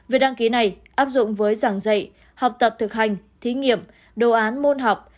việc đăng ký này áp dụng với giảng dạy học tập thực hành thí nghiệm đồ án môn học